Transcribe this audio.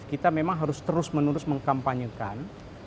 kita memang harus terus menerus mengkampanyekan